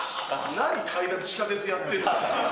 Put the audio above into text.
何、階段、地下鉄やってんだよ。